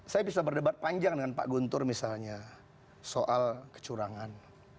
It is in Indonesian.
saya bisa berdebat panjang dengan pak guntur misalnya soal kecurangan